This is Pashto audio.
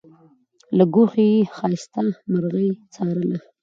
له ګوښې یې ښایسته مرغۍ څارله